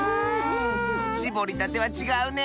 しぼりたてはちがうね。